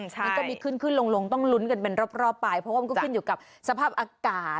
มันก็มีขึ้นขึ้นลงต้องลุ้นกันเป็นรอบไปเพราะว่ามันก็ขึ้นอยู่กับสภาพอากาศ